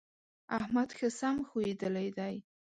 احمد ښه سم ښويېدلی دی.